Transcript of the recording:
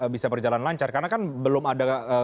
bisa berjalan lancar karena kan belum ada